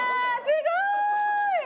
すごーい！